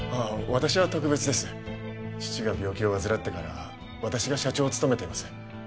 私は特別です父が病気を患ってから私が社長を務めています